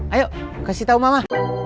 ayo kasih tau mama